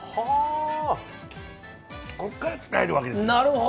ここから使えるわけです。